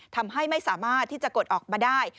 ทำให้ไม่สามารถที่จะกดออกมาได้